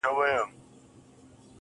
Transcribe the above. سم به خو دوى راپسي مه ږغوه,